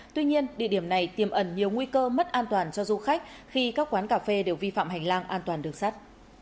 tuy nhiên địa điểm này tiềm ẩn nhiều nguy cơ mất an toàn cho du khách khi các quán cà phê đều vi phạm hành lang an toàn đường sắt